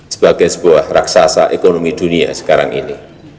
sebagai sebuah raksasa ekonomi dunia sekarang ini